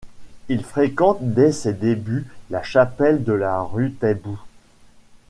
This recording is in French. Il fréquente dès ses débuts la chapelle de la Rue Taitbout.